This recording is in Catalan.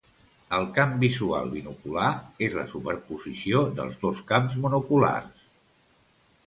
El camp visual binocular és la superposició dels dos camps monoculars.